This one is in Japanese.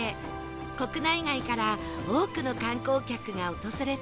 国内外から多くの観光客が訪れています